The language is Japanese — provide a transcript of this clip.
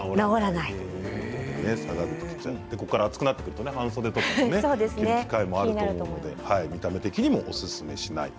ここから暑くなってくると半袖とかね着る機会もあるので見た目的にもおすすめしない。